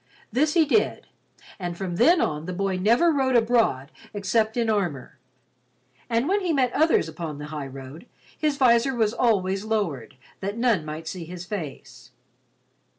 This he did, and from then on the boy never rode abroad except in armor, and when he met others upon the high road, his visor was always lowered that none might see his face.